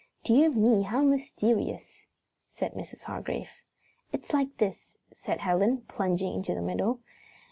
"Dear me, how mysterious!" said Mrs. Hargrave. "It is like this," said Helen, plunging into the middle.